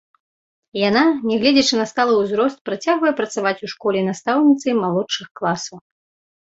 Яна, нягледзячы на сталы ўзрост, працягвае працаваць у школе настаўніцай малодшых класаў.